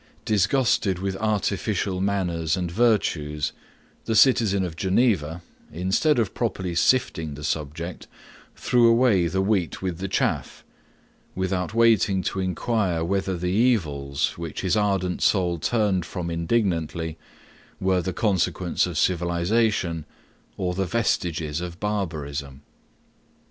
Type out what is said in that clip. Disgusted with artificial manners and virtues, the citizen of Geneva, instead of properly sifting the subject, threw away the wheat with the chaff, without waiting to inquire whether the evils, which his ardent soul turned from indignantly, were the consequence of civilization, or the vestiges of barbarism.